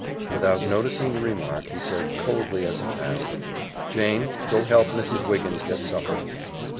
Without noticing the remark he said coldly as he passed, "Jane, go help Mrs. Wiggins get supper."